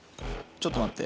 ちょっと待って。